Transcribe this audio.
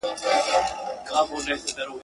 قصابان یې د لېوه له زامو ژغوري.